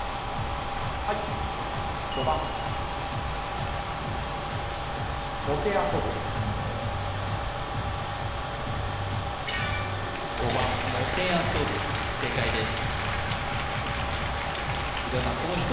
はい５番もてあそぶ正解です